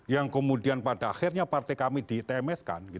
yang kemudian pada akhirnya partai kami di tmsk